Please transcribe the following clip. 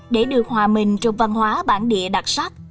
để được hòa mình trong văn hóa bản địa đặc sắc